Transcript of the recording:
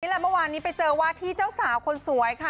เมื่อวานนี้ไปเจอว่าที่เจ้าสาวคนสวยค่ะ